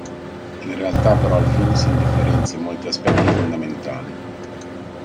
In realtà però il film si differenzia in molti aspetti fondamentali.